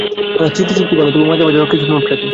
আমার স্মৃতিশক্তি ভালো, তবু মাঝে-মাঝে কিছু নোট রাখি।